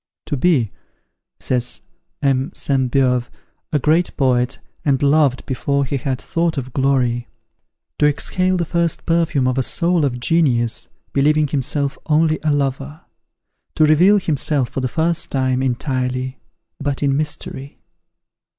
"To be," says M. Sainte Beuve, "a great poet, and loved before he had thought of glory! To exhale the first perfume of a soul of genius, believing himself only a lover! To reveal himself, for the first time, entirely, but in mystery!"